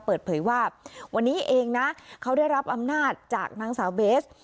เปิดเผยว่าวันนี้เองนะเขาได้รับอำนาจจากนางสาวเบส